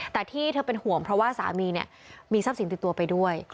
แต่ที่เธอเป็นห่วงเพราะว่าสามีมีทรัพย์สินติดตัวไปด้วย